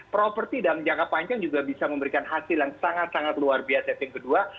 property dalam jangka panjang juga bisa memberikan hasil yang sangat sangat luar biasa